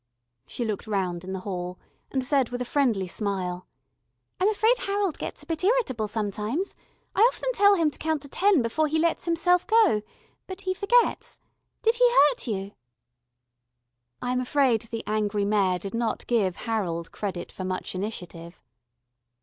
She looked round in the hall, and said with a friendly smile: "I'm afraid Harold gets a bit irritable sometimes. I often tell him to count ten before he lets himself go, but he forgets. Did he hurt you?" I am afraid the angry Mayor did not give Harold credit for much initiative.